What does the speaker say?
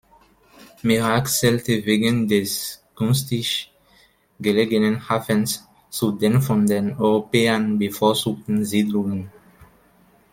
Merak zählte wegen des günstig gelegenen Hafens zu den von den Europäern bevorzugten Siedlungen.